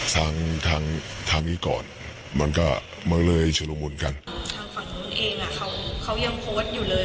ทางทางทางนี้ก่อนมันก็มันเลยชุดละมุนกันอ่าทางฝั่งนู้นเองอ่ะเขาเขายังโพสต์อยู่เลย